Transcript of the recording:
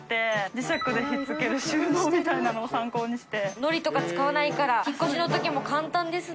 のりとか使わないから引っ越しのときも簡単ですね。